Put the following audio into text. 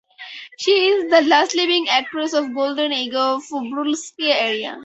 She is the last living actress of Golden Age of Burlesque era.